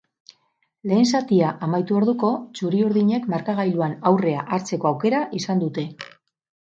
Lehen zatia amaitu orduko, txuri-urdinek markagailuan aurrea hartzeko aukera izan dute.